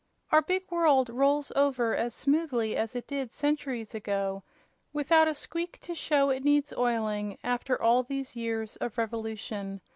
Our big world rolls over as smoothly as it did centuries ago, without a squeak to show it needs oiling after all these years of revolution.